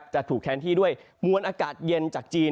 จะถูกแทนที่ด้วยมวลอากาศเย็นจากจีน